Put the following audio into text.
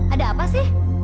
ada apa sih